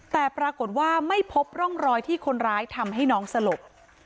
แต่ปรากฏว่าไม่พบร่องรอยที่คนร้ายทำให้น้องสลบ